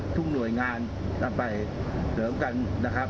ทุ่มหน่วยงานกันไปเสริมกันนะครับ